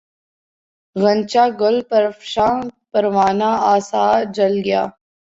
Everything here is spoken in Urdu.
غنچۂ گل پرفشاں پروانہ آسا جل گیا